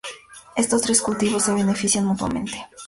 Estos tres cultivos se benefician mutuamente.